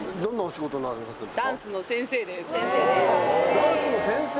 ダンスの先生！